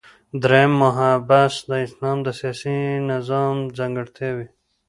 دریم مبحث : د اسلام د سیاسی نظام ځانګړتیاوی